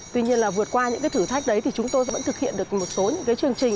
tuy nhiên là vượt qua những cái thử thách đấy thì chúng tôi vẫn thực hiện được một số những cái chương trình